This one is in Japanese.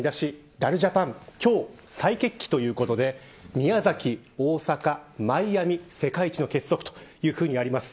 ダルジャパン今日、再決起ということで宮崎、大阪、マイアミ世界一の結束というふうにあります。